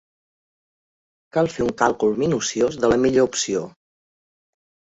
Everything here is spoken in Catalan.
Cal fer un càlcul minuciós de la millor opció.